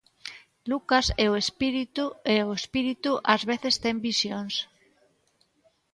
Lucas é o espírito e o espírito ás veces ten visións.